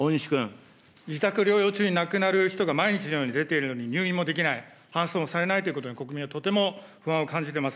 自宅療養中に亡くなる人が、毎日のように出ているのに、入院もできない、搬送もされないということに、国民はとても不安を感じてます。